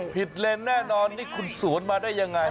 พิษเลนแน่นอนนี่คุณศูนย์มาได้อย่างไร